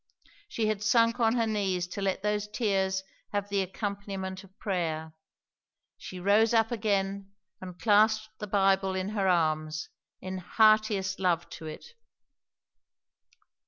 She had sunk on her knees to let those tears have the accompaniment of prayer; she rose up again and clasped the Bible in her arms, in heartiest love to it.